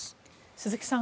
鈴木さん